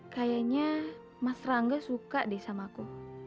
kayaknya mas rangga suka deh sama aku